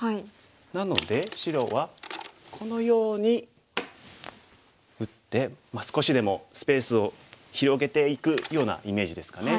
なので白はこのように打って少しでもスペースを広げていくようなイメージですかね。